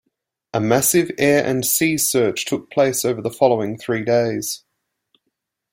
A massive air and sea search took place over the following three days.